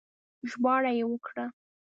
ژباړه يې وکړه